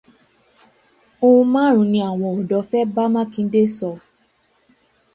Ohun márùn-ún ni àwọn ọ̀dọ́ fẹ́ bá Mákindé sọ.